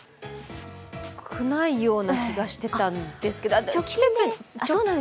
少ないような気がしてたんですけど季節で？